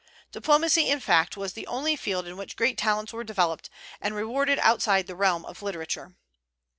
Diplomacy, in fact, was the only field in which great talents were developed and rewarded outside the realm of literature.